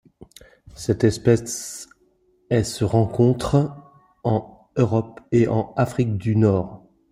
Cette espèce est se rencontre en Europe et en Afrique du Nord.